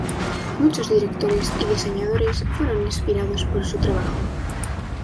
Muchos directores y diseñadores fueron inspirados por su trabajo.